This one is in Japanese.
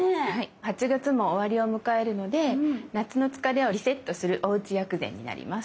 ８月も終わりを迎えるので夏の疲れをリセットするおうち薬膳になります。